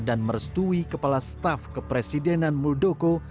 dan merestui kepala staf kepresidenan muldoko